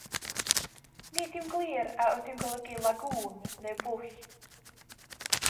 Nid yw'n glir a ydyw'n golygu lagŵn neu bwll.